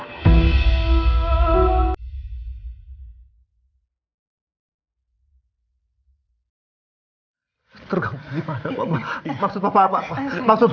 penglihatan mata kamu jadi terganggu